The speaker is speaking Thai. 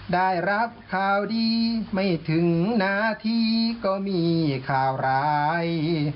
ได้รับข่าวดีไม่ถึงนาทีก็มีข่าวร้าย